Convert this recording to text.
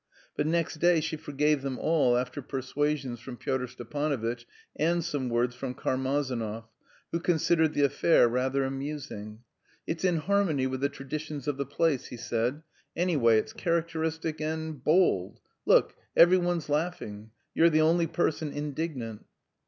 But next day she forgave them all after persuasions from Pyotr Stepanovitch and some words from Karmazinov, who considered the affair rather amusing. "It's in harmony with the traditions of the place," he said. "Anyway it's characteristic and... bold; and look, every one's laughing, you're the only person indignant."